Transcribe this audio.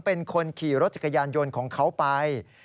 เป็นคนขี่รถจักรยานยนต์ของเขาไป